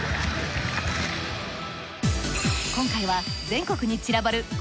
今回は全国にちらばる